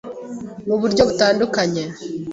mu buryo butandukanye